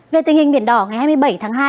về tình hình biển đỏ ngày hai mươi bảy tháng hai